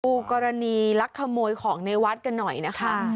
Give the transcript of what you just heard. ดูกรณีลักขโมยของในวัดกันหน่อยนะคะ